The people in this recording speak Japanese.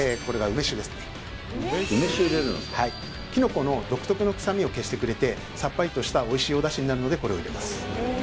梅酒入れるんですかはいきのこの独特の臭みを消してくれてさっぱりとしたおいしいお出汁になるのでこれを入れます